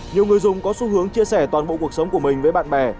nhiều người dùng có xu hướng chia sẻ toàn bộ cuộc sống của mình với bạn bè